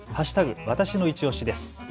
わたしのいちオシです。